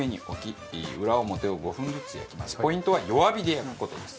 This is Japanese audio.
ポイントは弱火で焼く事です。